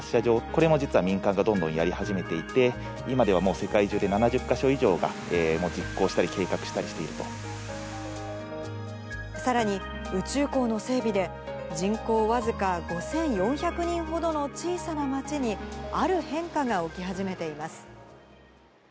これも実は、民間がどんどんやり始めていて、今ではもう世界中で７０か所以上が実行したり、計画したりしていさらに、宇宙港の整備で、人口僅か５４００人ほどの小さな町に、ある変化が起き始めています。